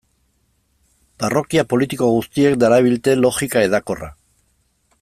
Parrokia politiko guztiek darabilte logika hedakorra.